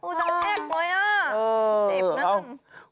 โอ้โฮสงแอ๊กมากเลยอ่ะเจ็บนะโอ้โฮ